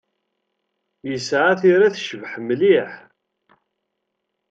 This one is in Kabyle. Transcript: Yesɛa tira tecbeḥ mliḥ.